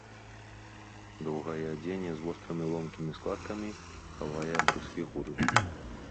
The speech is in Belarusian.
Доўгае адзенне з вострымі ломкімі складкамі хавае абрыс фігуры.